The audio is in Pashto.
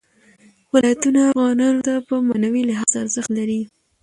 ولایتونه افغانانو ته په معنوي لحاظ ارزښت لري.